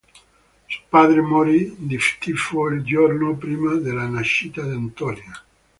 Suo padre morì di tifo il giorno prima della nascita di Antonia.